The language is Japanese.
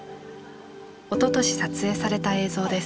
おととし撮影された映像です。